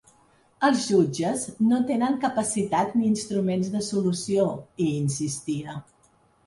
Els jutges no tenen capacitat ni instruments de solució, hi insistia.